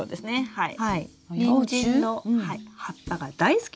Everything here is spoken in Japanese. はい。